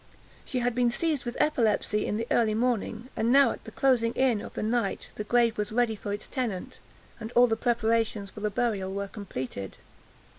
She had been seized with epilepsy in the early morning, and now, at the closing in of the night, the grave was ready for its tenant, and all the preparations for the burial were completed.